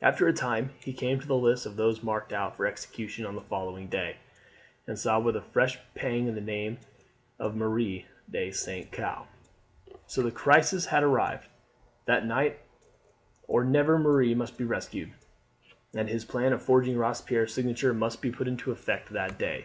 After a time he came to the list of those marked out for execution on the following day, and saw with a fresh pang the name of Marie de St. Caux. So the crisis had arrived. That night or never Marie must be rescued, and his plan of forging Robespierre's signature must be put into effect that day.